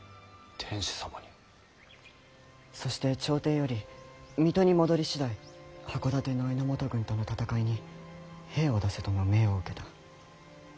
そして朝廷より水戸に戻り次第箱館の榎本軍との戦いに兵を出せとの命を受けた。